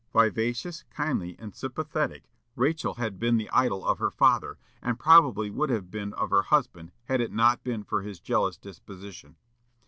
Vivacious, kindly, and sympathetic, Rachel had been the idol of her father, and probably would have been of her husband had it not been for his jealous disposition.